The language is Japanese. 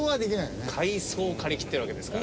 回送を借り切ってるわけですから。